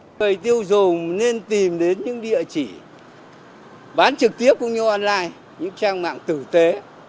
người tiêu dùng nên tìm đến những địa chỉ bán trực tiếp cũng như online những trang mạng tử tế